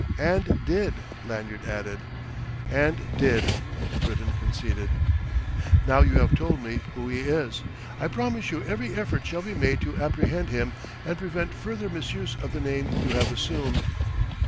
"And did," Lanyard added. "And did," the Briton conceded. "Now you have told me who he is, I promise you every effort shall be made to apprehend him and prevent further misuse of the name you have assumed."